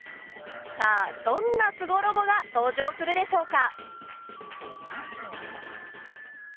さあどんなすごロボが登場するでしょうか？